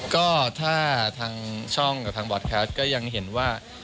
ก็ถ้าทางช่องกับทางบอร์ดแคสก็ยังเห็นว่า